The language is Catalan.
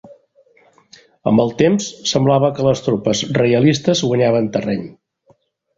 Amb el temps, semblava que les tropes reialistes guanyaven terreny.